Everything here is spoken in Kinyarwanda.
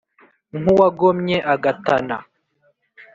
nk'uwagomye agatana,